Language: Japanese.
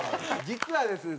実はですね